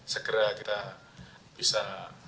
segera kita bisa